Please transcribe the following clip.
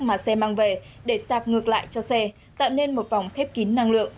mà xe mang về để xạc ngược lại cho xe tạo nên một vòng thép kín năng lượng